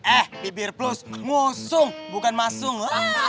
eh bibir plus musuh bukan masuk